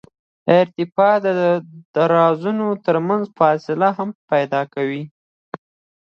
د ارتباطي درزونو ترمنځ فاصله هم پیدا کوو